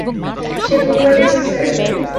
সে ভুল করে ফেলেছে, স্যার।